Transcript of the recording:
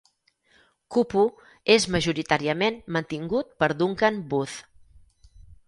Kupu és majoritàriament mantingut per Duncan Booth.